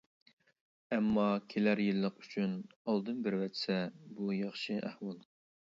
ئەمما كېلەر يىللىق ئۈچۈن ئالدىن بېرىۋەتسە بۇ ياخشى ئەھۋال.